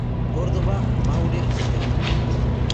Córdoba, Maure, Av.